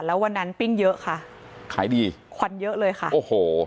แล้ววันนั้นปิ้งเยอะค่ะขายดีควันเยอะเลยค่ะโอ้โห